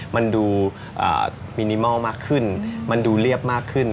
มันดูมินิมอลมากขึ้นมันดูเรียบมากขึ้น